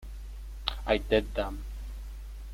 I did them.